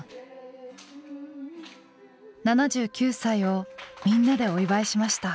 ７９歳をみんなでお祝いしました。